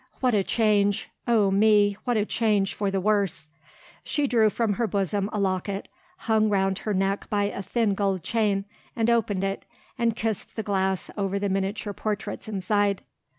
What a change oh, me, what a change for the worse! She drew from her bosom a locket, hung round her neck by a thin gold chain and opened it, and kissed the glass over the miniature portraits inside.